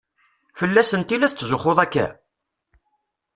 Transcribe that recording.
Fell-asent i la tetzuxxuḍ akka?